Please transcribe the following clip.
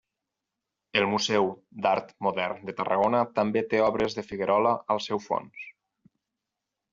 El Museu d'Art Modern de Tarragona també té obres de Figuerola al seu fons.